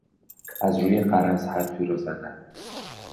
از روی غرض حرفی را زدن